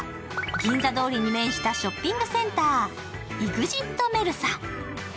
銀座通りに面したショッピングセンター、イグジットメルサ。